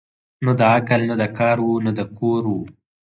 نه د عقل نه د کار وه نه د کور وه